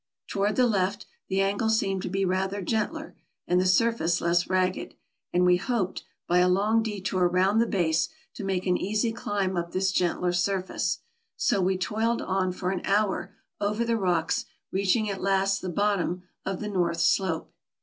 Toward the left the angle seemed to be rather gentler, and the surface less ragged; and we hoped, by a long detour round the base, to make an easy climb up this gentler surface. So we toiled on for an hour over the rocks, reaching at last the bottom of the north slope.